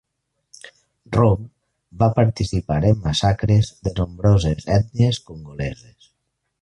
Rom va participar en massacres de nombroses ètnies congoleses.